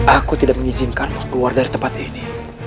aku tidak mengizinkan keluar dari tempat ini